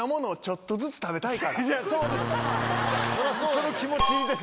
その気持ちです。